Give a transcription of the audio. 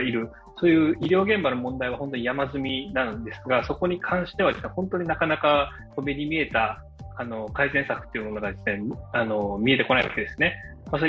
そういう医療現場の問題は山積みなんですが、そこに関してはなかなか目に見えた改善策が見えてこないわけです。